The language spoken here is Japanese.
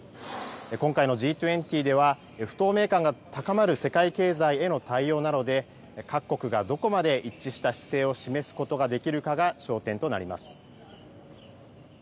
今回のＧ２０では不透明感が高まる世界経済への対応などで各国がどこまで一致した姿勢を示すことができるかが焦点となります。